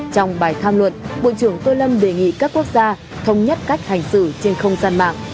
trong bài tham luận bộ trưởng tô lâm đề nghị các quốc gia thông nhất cách hành xử trên không gian mạng